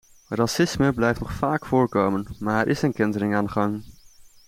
Racisme blijft nog vaak voorkomen, maar er is een kentering aan de gang.